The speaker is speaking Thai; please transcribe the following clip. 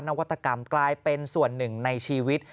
นวัตกรรมกลายเป็นส่วนหนึ่งในชีวิต